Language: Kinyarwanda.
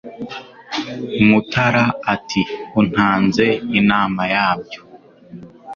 Mutara ati Untanze inama yabyo